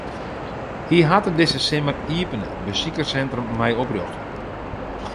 Hy hat it dizze simmer iepene besikerssintrum mei oprjochte.